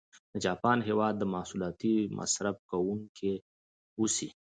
د جاپان هېواد د محصولاتو مصرف کوونکي و اوسي.